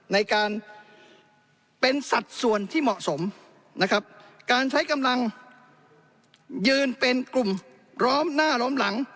ในการเป็นสัดส่วนที่เหมาะสมนะครับการใช้กำลังยืนเป็นกลุ่มล้อมหน้าล้อมหลัง